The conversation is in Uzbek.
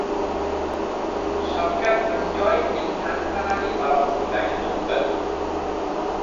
Shavkat Mirziyoyevning tantanali marosimdagi nutqi